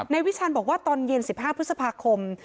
วิชาณบอกว่าตอนเย็น๑๕พฤษภาคม